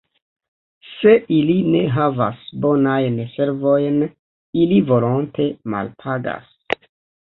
Se ili ne havas bonajn servojn, ili volonte malpagas.